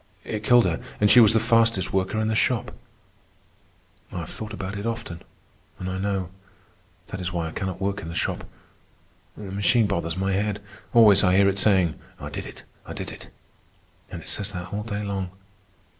It killed her, and she was the fastest worker in the shop. I have thought about it often, and I know. That is why I cannot work in the shop. The machine bothers my head. Always I hear it saying, 'I did it, I did it.' And it says that all day long.